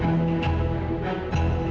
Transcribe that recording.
duh sakit tuh sakit